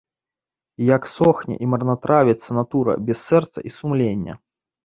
І як сохне і марнатравіцца натура без сэрца і сумлення.